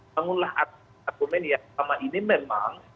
bangunlah argument yang sama ini memang